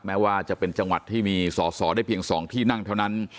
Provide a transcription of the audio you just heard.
แม้ว่าจะเป็นจังหวัดที่มีสอสอได้เพียง๒ที่นั่งเท่านั้น